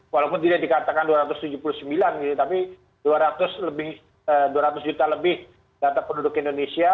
walaupun tidak dikatakan dua ratus tujuh puluh sembilan gitu tapi dua ratus juta lebih data penduduk indonesia